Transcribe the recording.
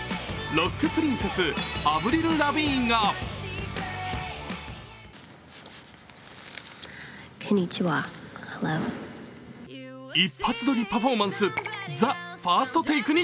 ロックプリンセス、アヴリル・ラヴィーンが一発撮りパフォーマンス、「ＴＨＥＦＩＲＳＴＴＡＫＥ」に登場。